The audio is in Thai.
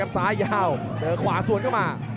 ซ้ายยาวเจอขวาสวนเข้ามา